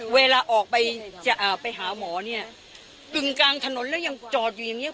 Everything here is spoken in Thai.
เวลาออกไปไปหาหมอนี่ตึงกลางถนนแล้วยังจอดอยู่อย่างนี้